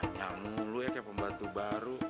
nanya mulu ya kayak pembantu baru